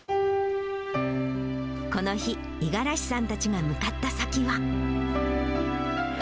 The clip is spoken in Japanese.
この日、五十嵐さんたちが向かった先は。